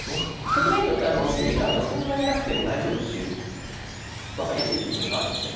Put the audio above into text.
局面によっては持ち時間がそんなになくても大丈夫っていう分かりやすい局面もあるので。